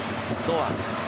堂安。